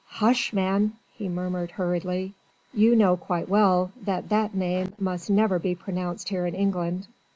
"Hush, man!" he murmured hurriedly, "you know quite well that that name must never be pronounced here in England.